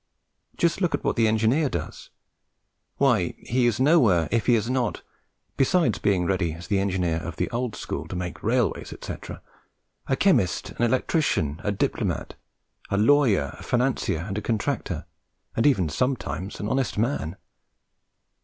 Just look at what the engineer does. Why, he is nowhere if he is not (besides being ready, as the engineer of the old school, to make railways, etc.) a chemist, an electrician, a diplomat, a lawyer, a financier and a contractor, and even sometimes an honest man.